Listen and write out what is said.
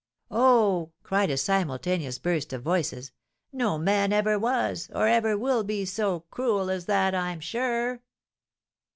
"Oh!" cried a simultaneous burst of voices, "no man ever was, or ever will be, so cruel as that, I'm sure!"